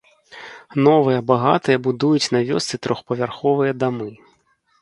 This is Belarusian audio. Новыя багатыя будуюць на вёсцы трохпавярховыя дамы.